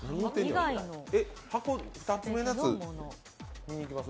箱２つ目のやつ、見にいけます？